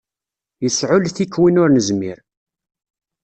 Yesɛullet-ik win ur nezmir.